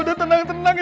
ya tentu sekali